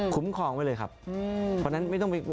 คุ้มครองเลยนะครับ